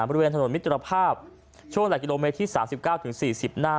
บริเวณถนนมิตรภาพช่วงหลักกิโลเมตรที่๓๙๔๐หน้า